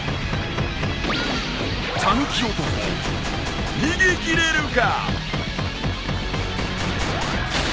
たぬき男逃げ切れるか！